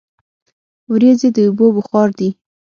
وریځې د اوبو بخار دي.